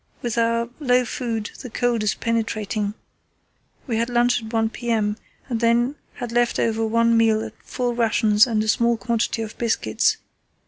With our low food the cold is penetrating. We had lunch at 1 p.m., and then had left over one meal at full rations and a small quantity of biscuits.